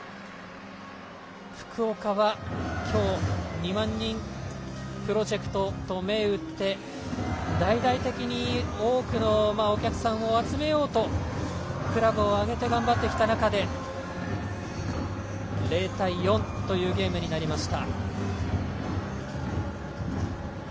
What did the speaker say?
福岡は今日２万人プロジェクトと銘打って大々的に多くのお客さんを集めようとクラブを挙げて頑張ってきた中で０対４というゲームになりました。